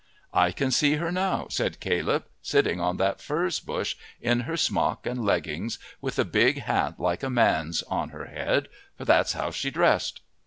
"I can see her now," said Caleb, "sitting on that furze bush, in her smock and leggings, with a big hat like a man's on her head for that's how she dressed."